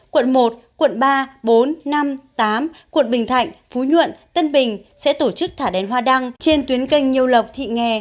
quận một quận ba bốn năm tám quận bình thạnh phú nhuận tân bình sẽ tổ chức thả đèn hoa đăng trên tuyến kênh nhiêu lộc thị nghè